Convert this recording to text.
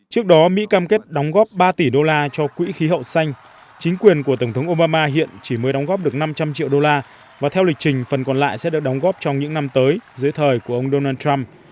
trước đó mỹ cam kết đóng góp ba tỷ đô la cho quỹ khí hậu xanh chính quyền của tổng thống obama hiện chỉ mới đóng góp được năm trăm linh triệu đô la và theo lịch trình phần còn lại sẽ được đóng góp trong những năm tới dưới thời của ông donald trump